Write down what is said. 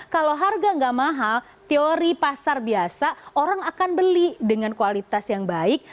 kalau harga nggak mahal teori pasar biasa orang akan beli dengan kualitas yang baik